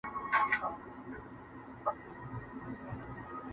o مېږی لا هم په خپل کور کي مست وي٫